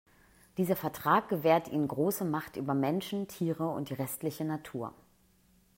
Dieser Vertrag gewährt ihnen große Macht über Menschen, Tiere und die restliche Natur.